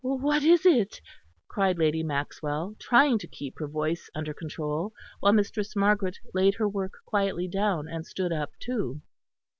"What is it?" cried Lady Maxwell, trying to keep her voice under control; while Mistress Margaret laid her work quietly down, and stood up too.